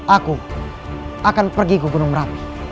aku akan pergi ke gunung merapi